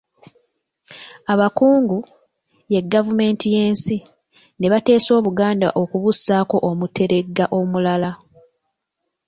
Abakungu, ye Gavumenti y'ensi, ne bateesa Obuganda okubussaako Omuteregga omulala.